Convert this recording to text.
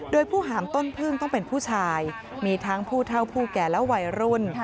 โดยผู้หามต้นพึ่งต้องเป็นผู้ชายมีทั้งผู้เท่าผู้แก่และวัยรุ่น